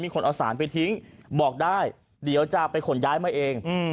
คนเอาสารไปทิ้งบอกได้เดี๋ยวจะไปขนย้ายมาเอง